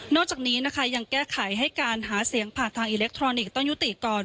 จากนี้นะคะยังแก้ไขให้การหาเสียงผ่านทางอิเล็กทรอนิกส์ต้องยุติก่อน